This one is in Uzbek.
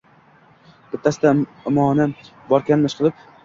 Bittasida imoni borakanmi ishqilib